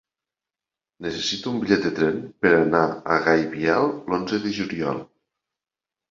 Necessito un bitllet de tren per anar a Gaibiel l'onze de juliol.